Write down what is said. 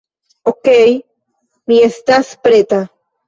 Okej, mi estas preta